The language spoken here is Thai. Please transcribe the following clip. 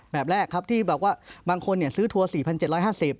แบบแรกครับที่แบบว่าบางคนซื้อทัวร์๔๗๕๐บาท